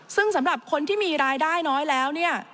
ซึ่งสำหรับคนที่มีรายได้น้อยแล้วเนี่ย